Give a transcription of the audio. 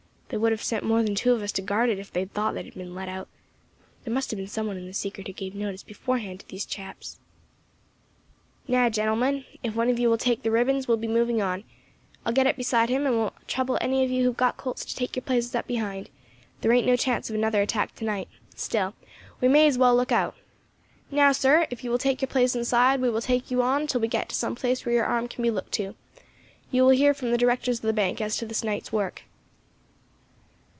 They would have sent more than two of us to guard it if they had thought that it had been let out; there must have been some one in the secret who gave notice beforehand to these chaps. "Now, gentlemen, if one of you will take the ribbons we will be moving on. I will get up beside him, and I will trouble any of you who have got Colts to take your places up behind; there ain't no chance of another attack to night, still, we may as well look out. Now, sir, if you will take your place inside we will take you on until we get to some place where your arm can be looked to. You will hear from the directors of the bank as to this night's work."